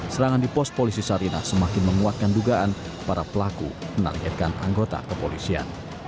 serangan di pos polisi sarinah semakin menguatkan dugaan para pelaku menargetkan anggota kepolisian